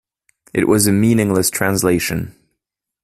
It was a meaningless translation.